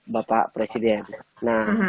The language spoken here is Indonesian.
bapak presiden nah